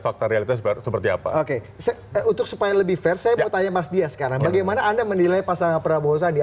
fakta realita seperti apa oke untuk supaya lebih fair saya mau tanya mas dias sekarang bagaimana anda menilai pasangan pramohosa di amerika